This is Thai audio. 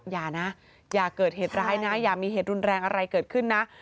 อย่านะอย่าเกิดเหตุร้ายนะอย่ามีเหตุรุนแรงอะไรเกิดขึ้นนะ